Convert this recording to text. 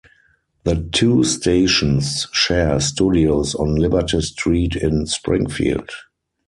The two stations share studios on Liberty Street in Springfield.